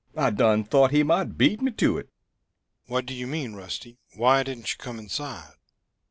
"I done thought he might beat me to it!" "What do you mean, Rusty? Why didn't you come inside?"